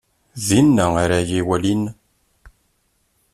Dinna ara yi-walin.